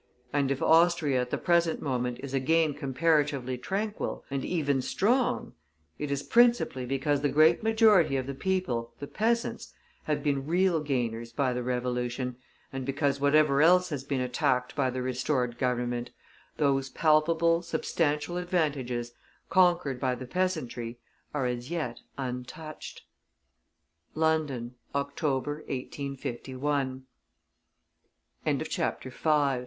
And if Austria at the present moment is again comparatively tranquil, and even strong, it is principally because the great majority of the people, the peasants, have been real gainers by the Revolution, and because whatever else has been attacked by the restored Government, those palpable, substantial advantages, conquered by the peasantry, are as yet untouched. LONDON, October, 1851. VI. THE BERLIN INSURRECTION. NOVEMBER 28, 185